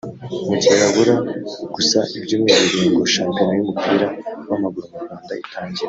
Mu gihe habura gusa ibyumweru bibiri ngo Shampiona y’umupira w’amaguru mu Rwanda itangire